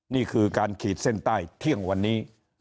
นี่คือการขีดเส้นใต้เที่ยงวันนี้